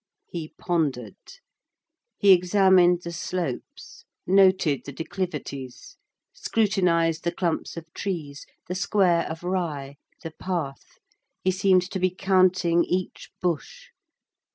He pondered; he examined the slopes, noted the declivities, scrutinized the clumps of trees, the square of rye, the path; he seemed to be counting each bush.